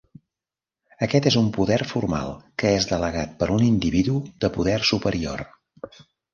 Aquest és un poder formal que és delegat per un individu de poder superior.